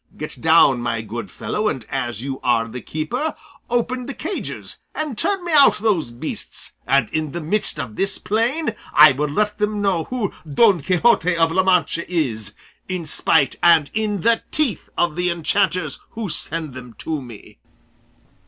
Get down, my good fellow, and as you are the keeper open the cages, and turn me out those beasts, and in the midst of this plain I will let them know who Don Quixote of La Mancha is, in spite and in the teeth of the enchanters who send them to me."